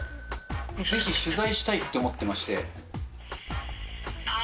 ぜひ取材したいって思ってまあー。